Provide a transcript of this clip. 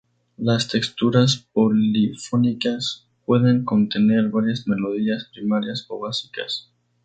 Las texturas polifónicas pueden contener varias melodías primarias o básicas.